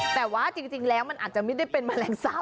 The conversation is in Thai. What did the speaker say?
แต่ว่าจริงแล้วมันอาจจะไม่ได้เป็นแมลงสาป